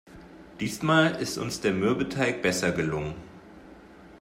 Diesmal ist uns der Mürbeteig besser gelungen.